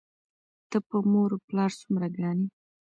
ته په مور و پلار څومره ګران یې؟!